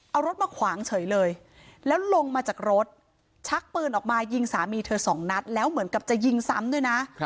เอารถมาขวางเฉยเลยแล้วลงมาจากรถชักปืนออกมายิงสามีเธอสองนัดแล้วเหมือนกับจะยิงซ้ำด้วยนะ